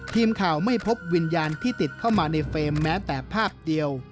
ทีมข่าวไม่พบวิญญาณที่ติดเข้ามาในเฟรมแม้แต่ภาพเดียว